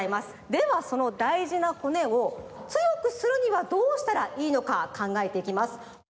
ではそのだいじな骨をつよくするにはどうしたらいいのかかんがえていきます。